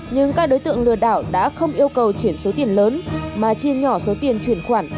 nhưng các đối tượng lừa đảo đã không yêu cầu chuyển số tiền lớn mà chi nhỏ số tiền chuyển khoản